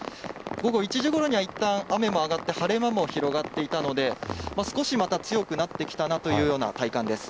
午後１時ごろにはいったん雨も上がって、晴れ間も広がっていたので、少しまた強くなってきたなというような体感です。